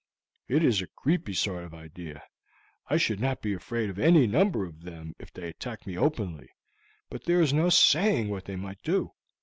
"It is a creepy sort of idea. I should not be afraid of any number of them if they attacked me openly; but there is no saying what they might do.